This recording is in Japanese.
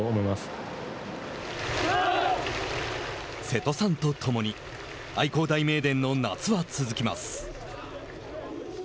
瀬戸さんと共に愛工大名電の夏は続きます。